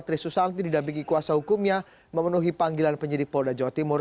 tri susanti didampingi kuasa hukumnya memenuhi panggilan penyidik polda jawa timur